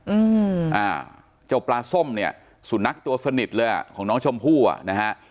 อืมอ่าเจ้าปลาส้มเนี่ยสุนัขตัวสนิทเลยอ่ะของน้องชมพู่อ่ะนะฮะ